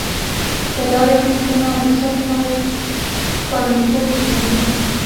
د لارې خنډونه د سفر خوندیتوب کموي.